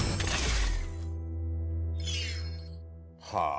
はあ。